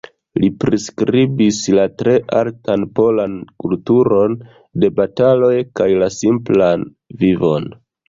Li priskribis la tre altan polan kulturon de bataloj kaj la simplan vivon.